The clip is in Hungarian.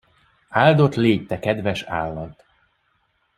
Áldott légy, te kedves állat!